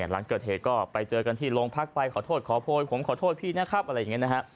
หลังเกิดเหตุก็ไปเจอกันที่โรงพักไปขอโทษขอโพยผมขอโทษพี่นะครับอะไรอย่างนี้นะฮะ